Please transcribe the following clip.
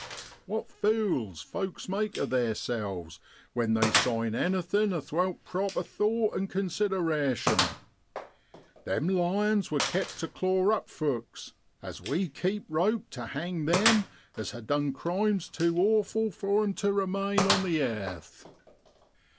What fules folks make o' theerselves when they sign anything athowt proper thought and consideration ! Them lions wor kept tu claw up folks, as we keep 71 JULY IN BROADLAND. rope tu hang them as ha' done crimes tu awful for 'em tu remain on the airth.